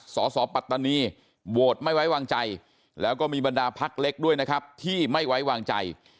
สสปัตตานีโหวตไม่ไว้วางใจแล้วก็มีบรรดาพักเล็กด้วยนะครับที่ไม่ไว้วางใจ